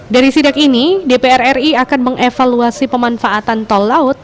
dari sidak ini dpr ri akan mengevaluasi pemanfaatan tol laut